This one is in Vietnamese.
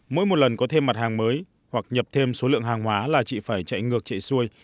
mỗi một lần có thêm mặt hàng mới hoặc nhập thêm số lượng hàng hóa là chị phải chạy ngược chạy xuôi